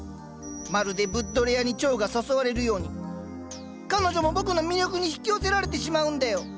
まるでブッドレアに蝶が誘われるように彼女も僕の魅力に引き寄せられてしまうんだよ。